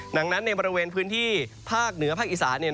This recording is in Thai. ดังนั้นในบริเวณพื้นที่ภาคเหนือภาคอีสาน